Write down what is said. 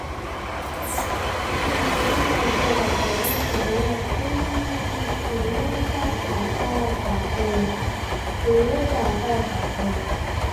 Kimbunga hicho kililawia kasikazini kichaenda kusini kilete hasara kweli kweli